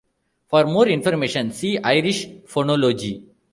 For more information, see Irish phonology.